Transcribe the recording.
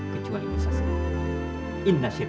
kecuali dosa sendiri